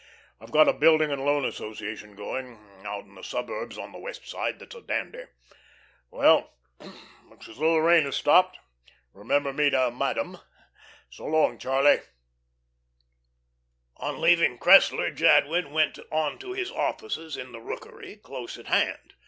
I've got a building and loan association going, out in the suburbs on the West Side, that's a dandy. Well, looks as though the rain had stopped. Remember me to madam. So long, Charlie." On leaving Cressler Jadwin went on to his offices in The Rookery, close at hand.